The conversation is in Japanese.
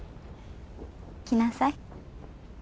来なさい。